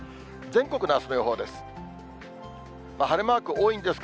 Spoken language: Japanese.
全国のあすの予報です。